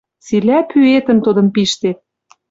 Цилӓ пӱэтӹм тодын пиштет».